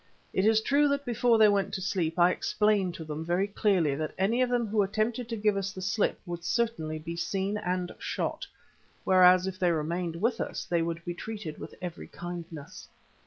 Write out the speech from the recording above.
It is true that before they went to sleep I explained to them very clearly that any of them who attempted to give us the slip would certainly be seen and shot, whereas if they remained with us they would be treated with every kindness.